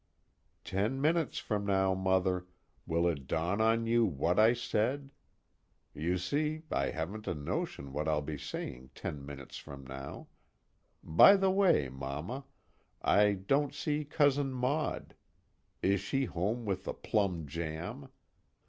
_Ten minutes from now, Mother, will it dawn on you what I said? You see, I haven't a notion what I'll be saying ten minutes from now. By the way, Mama, I don't see Cousin Maud. Is she home with the Plum Jam?